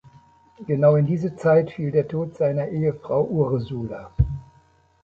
Genau in diese Zeit fiel der Tod seiner Ehefrau Ursula.